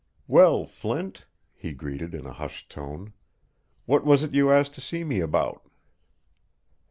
"Well, Flint," he greeted, in a hushed tone, "what was it you asked to see me about?"